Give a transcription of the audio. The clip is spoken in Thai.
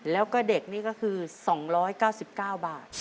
แล้วก็เด็กนี่ก็คือ๒๙๙บาท